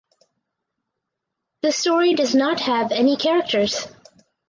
The story does not have any characters.